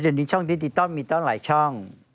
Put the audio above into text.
เดี๋ยวนี้ช่องดิจิทัลมีตั้งหลายช่อง